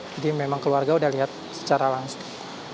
jadi memang keluarga udah lihat secara langsung